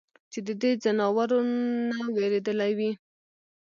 چې د دې ځناورو نه وېرېدلے وي ؟